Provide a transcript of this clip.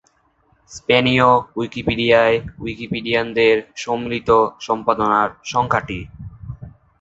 স্পেনীয় উইকিপিডিয়ায় উইকিপিডিয়ানদের সম্মিলিত সম্পাদনার সংখ্যা টি।